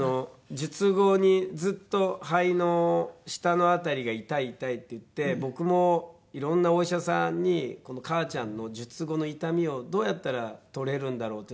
術後にずっと「肺の下の辺りが痛い痛い」って言って僕も色んなお医者さんに母ちゃんの術後の痛みをどうやったら取れるんだろうっていうの相談したんですけど。